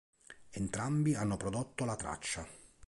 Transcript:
Entrambi hanno prodotto la traccia.